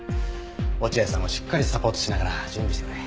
落合さんをしっかりサポートしながら準備してくれ。